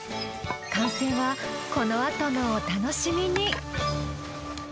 完成はこのあとのお楽しみに。